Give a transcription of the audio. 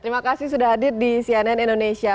terima kasih sudah hadir di cnn indonesia